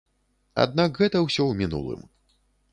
Аднак гэта ўсё ў мінулым.